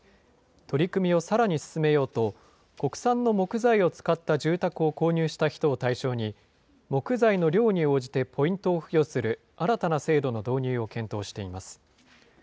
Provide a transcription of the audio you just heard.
取り組みをさらに進めようと、国産の木材を使った住宅を購入した人を対象に、木材の量に応じてポイントを付与する、新たな制度の導入を検討しています。